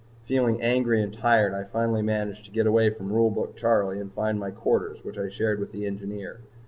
Feeling angry and tired, I finally managed to get away from Rule Book Charley and find my quarters which I shared with the Engineer.